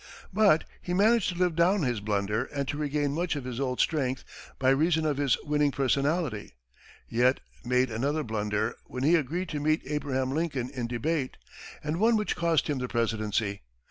But he managed to live down his blunder and to regain much of his old strength by reason of his winning personality; yet made another blunder when he agreed to meet Abraham Lincoln in debate and one which cost him the presidency.